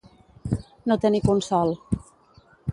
No tenir consol.